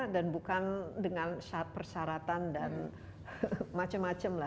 dan bukan dengan persyaratan dan macam macam